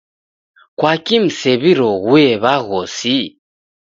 Kwaki msew'iroghue w'aghosi?